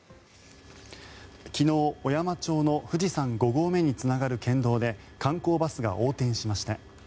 昨日、小山町の富士山五合目につながる県道で観光バスが横転しました。